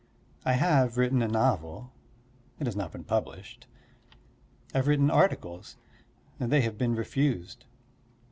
I have written a novel, it has not been published. I have written articles they have been refused.